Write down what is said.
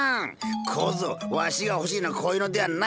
小僧わしが欲しいのはこういうのではない！